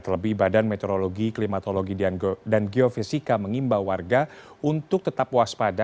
terlebih badan meteorologi klimatologi dan geofisika mengimbau warga untuk tetap waspada